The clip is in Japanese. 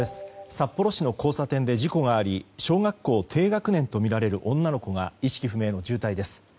札幌市の交差点で事故があり小学校低学年とみられる女の子が意識不明の重体です。